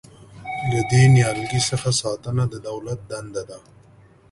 له دې نیالګي څخه ساتنه کول د دولت دنده ده.